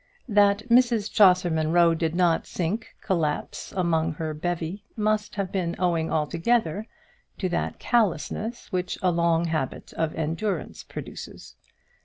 That Mrs Chaucer Munro did not sink, collapsed, among her bevy, must have been owing altogether to that callousness which a long habit of endurance produces.